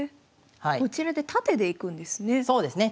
こちらで縦でいくんですね。